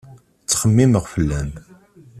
Ttxemmimeɣ fell-am